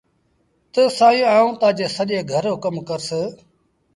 تا سائيٚݩ آئوݩ تآجي گھر رو سڄو ڪم ڪرس